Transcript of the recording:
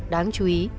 đáng chú ý